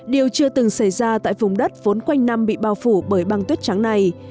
điều chưa từng xảy ra tại vùng đất vốn quanh năm bị bao phủ bởi băng tuyết trắng này